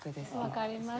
わかります。